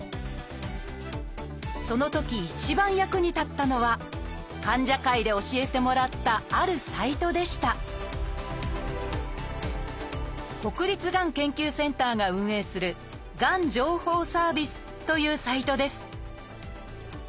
そのとき一番役に立ったのは患者会で教えてもらったあるサイトでした国立がん研究センターが運営する「がん情報サービス」というサイトです